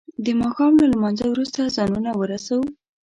د ما ښام له لما نځه وروسته ځانونه ورسو.